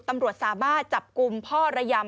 ตำรวจสามารถจับกลุ่มพ่อระยำ